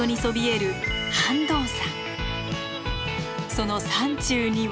その山中には。